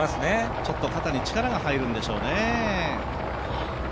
ちょっと肩に力が入るんでしょうね。